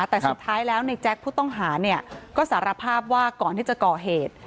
แต่สุดท้ายแล้วในแจ๊คผู้ต้องหาเนี่ยก็สารภาพว่าก่อนที่จะก่อเหตุ